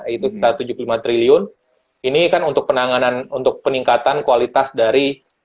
itu kita tujuh puluh lima triliun ini kan untuk penanganan untuk peningkatan kualitas dari